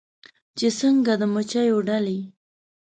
چې څنګه د مچېو ډلې